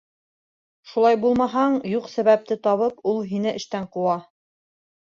Шулай булмаһаң, юҡ сәбәпте табып ул һине эштән ҡыуа.